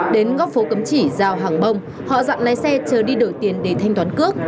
đến góc phố cấm chỉ giao hàng bông họ dặn lái xe chờ đi đổi tiền để thanh toán cước